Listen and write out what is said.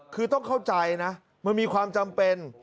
คือต้องเข้าใจนะมันมีความจำเป็น